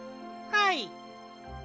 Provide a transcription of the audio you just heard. はい？